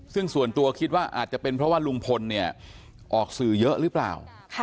ซึ่งส่วนตัวคิดว่าอาจจะเป็นเพราะว่าลุงพลเนี่ยออกสื่อเยอะหรือเปล่า